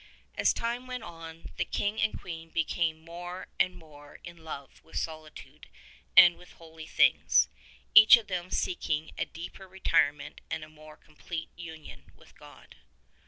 As time went on the King and Queen became more and more in love with solitude and with holy things, each of them seeking a deeper retirement and a more complete union with God.